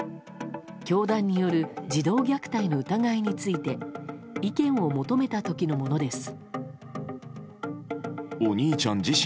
教団による児童虐待の疑いについて意見を求めた時のものです。